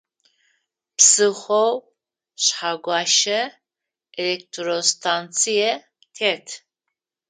Псыхъоу Шъхьэгуащэ электростанцие тет.